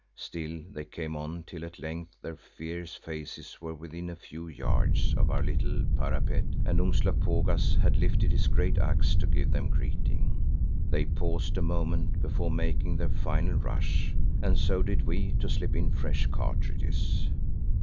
Still they came on till at length their fierce faces were within a few yards of our little parapet and Umslopogaas had lifted his great axe to give them greeting. They paused a moment before making their final rush, and so did we to slip in fresh cartridges.